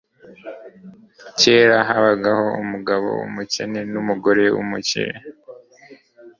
Kera, habaho umugabo wumukene numugore wumukire